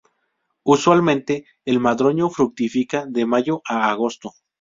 Usualmente, el madroño fructifica de mayo a agosto.